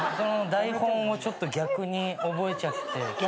台本をちょっと逆に覚えちゃってきてるかも。